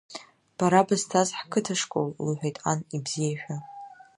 Бара бызҭаз ҳқыҭа школ, – лҳәеит ан ибзиашәа.